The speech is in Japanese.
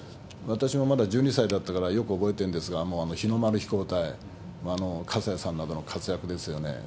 私はまだ１２歳だったからよく覚えてるんですが、あの日の丸飛行隊、葛西さんなどの活躍ですよね。